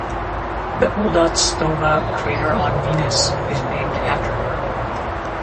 The Udaltsova crater on Venus is named after her.